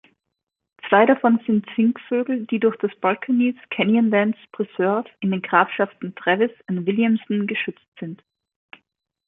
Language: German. Zwei davon sind Singvögel, die durch das Balcones Canyonlands Preserve in den Grafschaften Travis und Williamson geschützt sind.